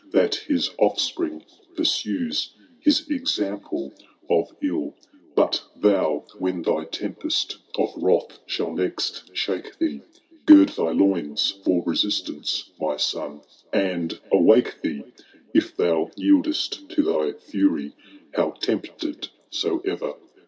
That his oflbpiing pursues his example of ilL But thou, when thy tempest of wrath shall next shake thee. Gird thy loins fbr resistance, my son, and awake thee ; If thou yieldVt to thy fury, how tempted soever.